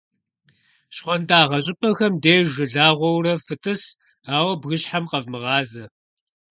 Щхуантӏагъэ щӀыпӀэхэм деж жылагъуэурэ фытӀыс, ауэ бгыщхьэм къэвмыгъазэ.